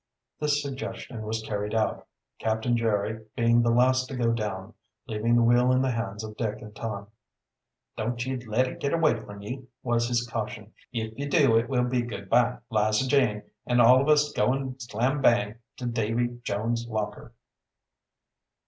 This suggestion was carried out, Captain Jerry being the last to go down, leaving the wheel in the hands of Dick and Tom. "Don't ye let it git away from ye," was his caution. "If ye do it will be good by, 'Liza Jane, an' all of us goin' slam bang to Davy Jones' locker!"